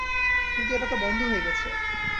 কিন্তু ওটা তো বন্ধ হয়ে গেছে।